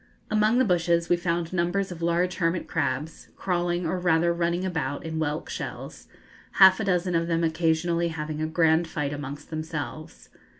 Among the bushes we found numbers of large hermit crabs, crawling, or rather running, about in whelk shells, half a dozen of them occasionally having a grand fight amongst themselves.